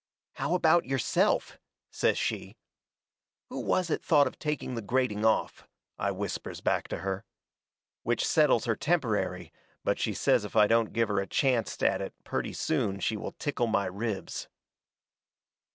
"How about yourself?" says she. "Who was it thought of taking the grating off?" I whispers back to her. Which settles her temporary, but she says if I don't give her a chancet at it purty soon she will tickle my ribs.